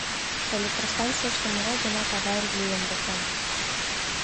Электростанцийыште могай-гынат аварий лийын докан.